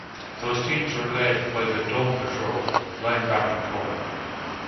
Those teams were led by the "Dome Patrol" linebacking corps.